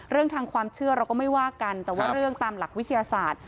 เรื่องทางความเชื่อเราก็ไม่ว่ากันแต่ว่าเรื่องตามหลักวิทยาศาสตร์